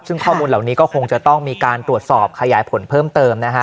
ซึ่งข้อมูลเหล่านี้ก็คงจะต้องมีการตรวจสอบขยายผลเพิ่มเติมนะฮะ